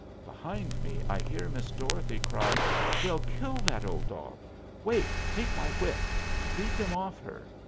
Behind me I hear Miss Dorothy cry: "They'll kill that old dog. Wait, take my whip. Beat them off her!